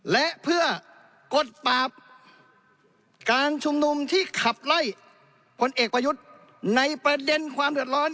และเพื่อกดปราบการชุมนุมที่ขับไล่พลเอกประยุทธ์ในประเด็นความเดือดร้อน